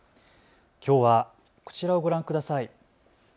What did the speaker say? きょうはこちらをご覧ください。